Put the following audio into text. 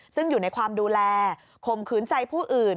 ซึ่งอยู่ในความดูแลข่มขืนใจผู้อื่น